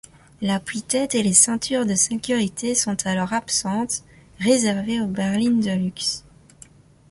L'appuie-tête et les ceintures de sécurité sont alors absentes, réservée aux berlines de luxe.